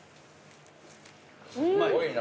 うまいね。